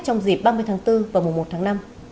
trong dịp ba mươi tháng bốn và mùa một tháng năm